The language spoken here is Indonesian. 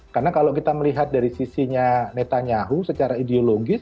karena kalau kita melihat dari sisinya netanyahu secara ideologis